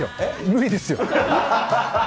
無理ですよ。